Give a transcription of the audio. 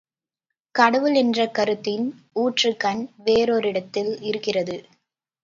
கடவுள் என்ற கருத்தின் ஊற்றுக்கண் வேறொரிடத்தில் இருக்கிறது.